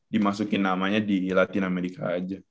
dimasukin namanya di latin amerika aja